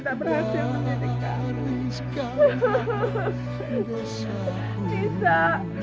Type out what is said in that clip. balasan dari allah atas dosa dosa kita bu